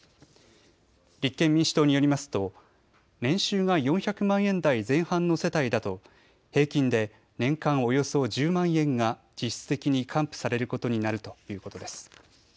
立憲民主党によりますと年収が４００万円台前半の世帯だと平均で年間およそ１０万円が実質的に還付されることになるということです。